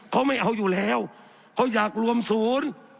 เขาไม่เอาอยู่แล้วเขาอยากรวมศูนย์